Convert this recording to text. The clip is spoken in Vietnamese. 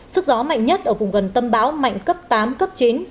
sức gió mạnh nhất ở vùng gần tâm bão mạnh cấp tám cấp chín